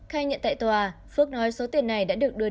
khai nhận tại tòa phước nói số tiền này đã được đưa đến công ty